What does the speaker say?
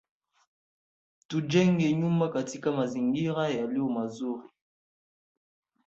Tujenge nyumba katika mazingira yaliyo mazuri.